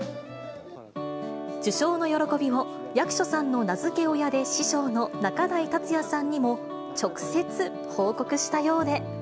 受賞の喜びを、役所さんの名付け親で師匠の仲代達矢さんにも直接報告したようで。